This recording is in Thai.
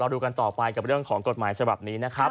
ดูกันต่อไปกับเรื่องของกฎหมายฉบับนี้นะครับ